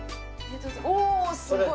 おおすごい！